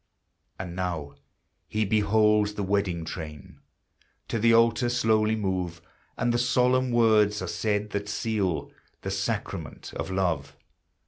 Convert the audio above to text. And now he beholds the wedding train To the altar slowly move, And the solemn words are said that seal The sacrament of love.